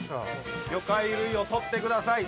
魚介類を取ってください。